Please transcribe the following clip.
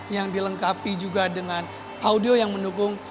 yang dilengkapi juga dengan audio yang mendukung